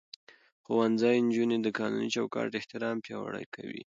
ښوونځی نجونې د قانوني چوکاټ احترام پياوړې کوي.